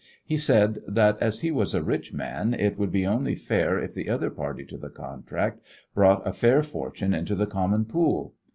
He said that, as he was a rich man, it would be only fair if the other party to the contract brought a fair fortune into the common pool.